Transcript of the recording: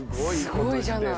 すごいじゃない。